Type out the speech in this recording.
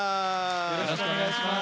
よろしくお願いします。